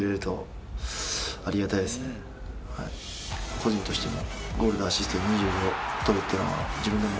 個人としても。